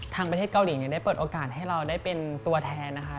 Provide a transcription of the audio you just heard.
ทางประเทศเกาหลีได้เปิดโอกาสให้เราได้เป็นตัวแทนนะคะ